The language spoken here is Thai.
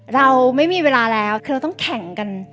เราไม่มีเวลาแล้วเราต้องแข่งกัน